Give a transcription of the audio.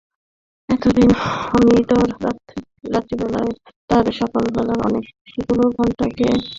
এতদিন অমিতর রাত্রিবেলাটা তার সকলাবেলাকার অনেকগুলো ঘণ্টাকে পিলপেগাড়ি করে নিয়েছিল।